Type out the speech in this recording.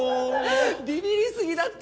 ビビりすぎだって。